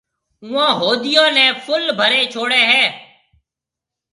اُوئون هوديون نَي ڦُل ڀريَ ڇوڙيَ هيَ۔